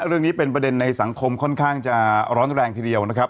เรื่องนี้เป็นประเด็นในสังคมค่อนข้างจะร้อนแรงทีเดียวนะครับ